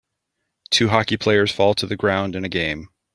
Two hockey players fall to the ground in a game.